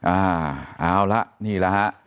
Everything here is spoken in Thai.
อ่าเอาละนี่แหละฮะ